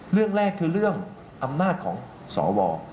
เรื่องแรกคือเรื่องอำนาจของสว